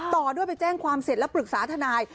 ต่อด้วยไปแจ้งความเสร็จแล้วปรึกษาทนาย